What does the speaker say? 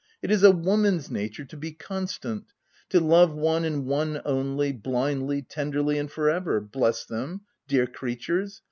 " It is a woman's nature to be constant— to love one and one only, blindly, tenderly, and for ever — bless them, dear creatures